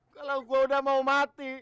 kalau gue udah mau mati